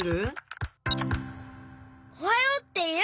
「おはよう！」っていう。